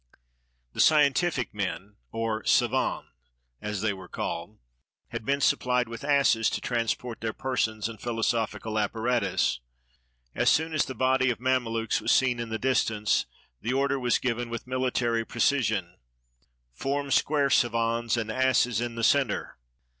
The scientific men, or savans, as they were called, had been supplied with asses to trans port their persons and philosophical apparatus. As soon as the body of Mamelukes was seen in the distance, the order was given, with military precision, "Form square, savans and asses in the center."